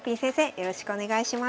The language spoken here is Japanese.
よろしくお願いします。